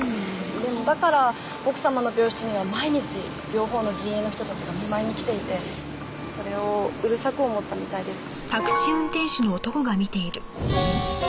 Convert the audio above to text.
でもだから奥様の病室には毎日両方の陣営の人たちが見舞いに来ていてそれをうるさく思ったみたいです。